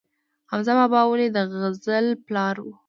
حمزه بابا ولې د غزل پلار و؟